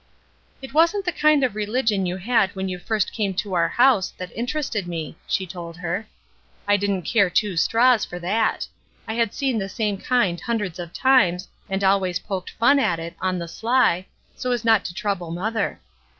"It wasn't the kind of religion you had when you fu*st came to our house, that interested me," she told her. "I didn't care two straws for that; I had seen the same kind hundreds of times, and always poked fun at it, on the sly, so as not to trouble mother.